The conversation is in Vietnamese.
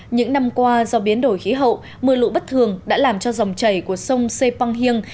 những năm qua do biến đổi khí hậu mưa lũ bất thường đã làm cho dòng chảy của sông sepong hiêng